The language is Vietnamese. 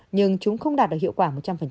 nhưng chúng không đạt được hiệu quả một trăm linh